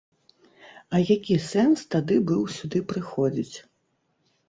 А які сэнс тады быў сюды прыходзіць?